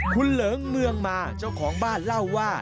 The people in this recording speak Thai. คุณเหลิงเมืองมาเจ้าของบ้านเล่าว่า